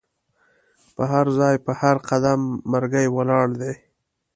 په هرځای په هر قدم مرګی ولاړ دی